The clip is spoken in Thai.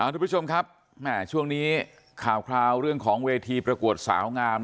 ทุกผู้ชมครับแม่ช่วงนี้ข่าวคราวเรื่องของเวทีประกวดสาวงาม